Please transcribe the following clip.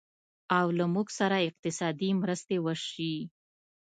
او له موږ سره اقتصادي مرستې وشي